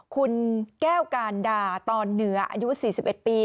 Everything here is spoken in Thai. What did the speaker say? คุณแก้วการดาตอนเหนืออายุ๔๑ปี